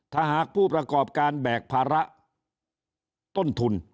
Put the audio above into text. ถ้าหากผู้ประกอบการแบกภาระต้นทุน